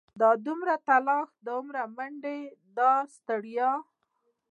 دا دومره تلاښ دا دومره منډې دا ستړيا.